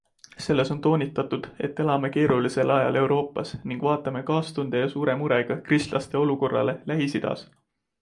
Selles on toonitatud, et elame keerulisel ajal Euroopas ning vaatame kaastunde ja suure murega kristlaste olukorrale Lähis-Idas.